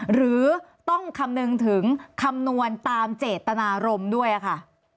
หรือต้องคำนึงถึงคำนวณตามเจตนารมณ์ด้วยค่ะ